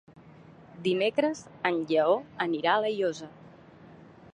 Dimecres en Lleó anirà a La Llosa.